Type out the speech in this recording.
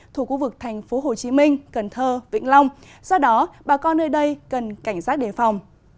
thuộc khu vực thành phố hồ chí minh cần thơ vĩnh long do đó bà con nơi đây cần cảnh sát đề phòng